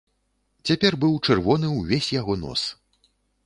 Цяпер быў чырвоны ўвесь яго нос.